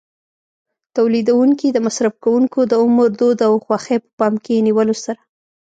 تولیدوونکي د مصرف کوونکو د عمر، دود او خوښۍ په پام کې نیولو سره.